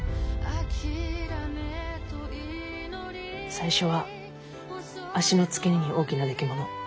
最初は足の付け根に大きなできもの。